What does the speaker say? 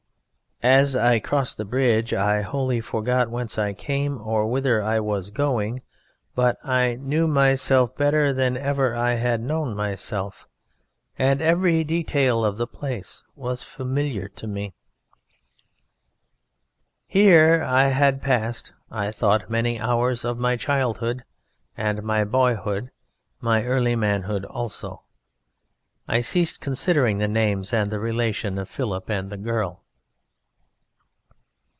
"As I crossed the bridge I wholly forgot whence I came or whither I was going, but I knew myself better than ever I had known myself, and every detail of the place was familiar to me. "Here I had passed (I thought) many hours of my childhood and my boyhood and my early manhood also. I ceased considering the names and the relation of Philip and the girl.